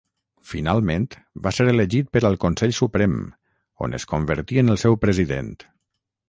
Finalment, va ser elegit per al Consell Suprem, on es convertí en el seu president.